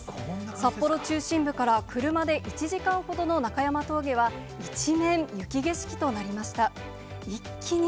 札幌中心部から車で１時間ほどの中山峠は、一面雪景色となりました。